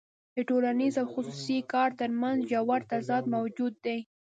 د ټولنیز او خصوصي کار ترمنځ ژور تضاد موجود دی